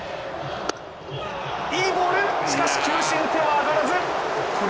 いいボール、しかし球審の手は挙がらず。